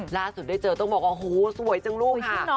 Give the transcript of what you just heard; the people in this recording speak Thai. ล่าสุดได้เจอต้องบอกว่าโอ้โหสวยจังลูกค่ะ